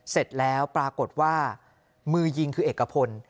เสร็จแล้วปรากฏว่ามือยิงคือเอกพล